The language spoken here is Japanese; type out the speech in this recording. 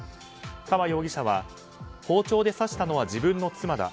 河容疑者は包丁で刺したのは自分の妻だ。